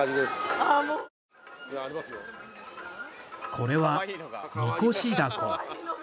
これは、みこしだこ。